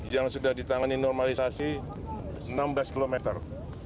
yang sudah ditangani normalisasi enam belas kilometer